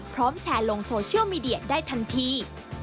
แชร์ลงโซเชียลมีเดียได้ทันที